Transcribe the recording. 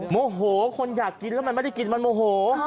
โมโหคนอยากกินแล้วมันไม่ได้กินมันโมโห